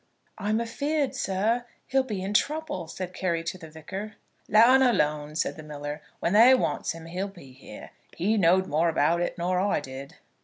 "I'm afeard, sir, he'll be in trouble," said Carry to the Vicar. "Let 'un alone," said the miller; "when they wants 'im he'll be here. He know'd more about it nor I did."